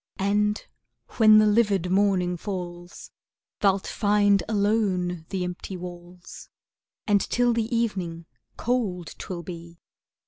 And when the livid morning falls, Thou'lt find alone the empty walls, And till the evening, cold 'twill be.